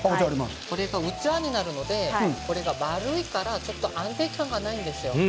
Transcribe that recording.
これが器になるのでこれが丸いからちょっと安定感がないんですよ。